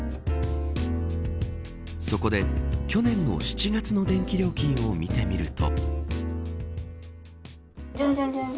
そこで、去年の７月の電気料金を見てみると。